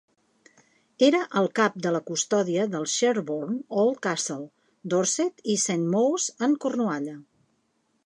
Era el Cap de la custòdia del Sherborne Old Castle, Dorset i Saint Mawes en Cornualla.